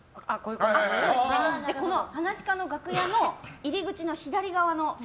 この噺家の楽屋の入り口の左側の席